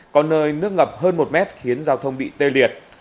có nơi nước ngập hơn một mét khiến giao thông bị tê liệt